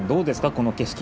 この景色。